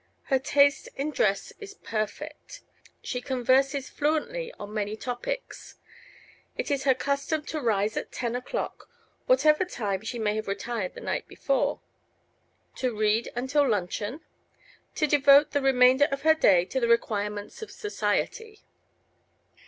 Her taste in dress is perfect. She converses fluently on many topics. It is her custom to rise at ten o'clock, whatever time she may have retired the night before; to read until luncheon; to devote the remainder of her day to the requirements of society.